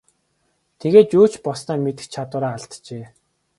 Тэгээд юу ч болсноо мэдэх чадвараа алджээ.